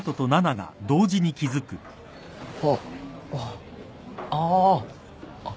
あっ！あっ。